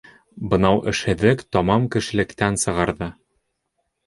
Бынау эшһеҙлек тамам кешелектән сығарҙы.